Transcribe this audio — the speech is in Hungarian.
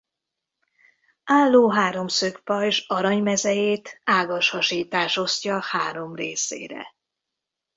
Álló háromszög pajzs arany mezejét ágas hasítás osztja három részére.